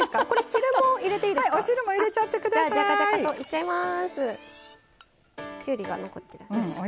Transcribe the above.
汁も入れていいですか。